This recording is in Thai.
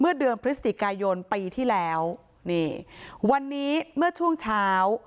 เดือนพฤศจิกายนปีที่แล้วนี่วันนี้เมื่อช่วงเช้า